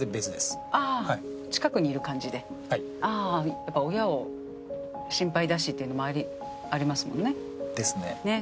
やっぱ親を心配だしっていうのもありますもんね？ですね。ねえ。